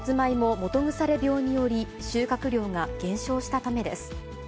基腐病により、収穫量が減少したためです。